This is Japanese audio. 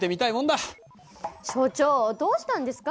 所長どうしたんですか？